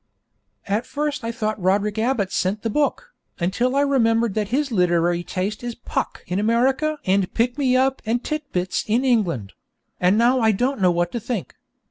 At first I thought Roderick Abbott sent the book, until I remembered that his literary taste is Puck in America and Pick me up and Tit Bits in England; and now I don't know what to think.